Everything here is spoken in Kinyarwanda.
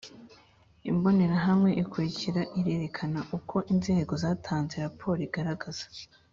Imbonerahamwe ikurikira irerekana uko Inzego zatanze raporo igaragaza